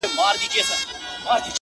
چي سر دي نه خوږېږي، داغ مه پر ايږده.